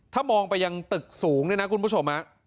ถ้ามองไปยังตึกสูงเนี่ยนะคุณผู้ชม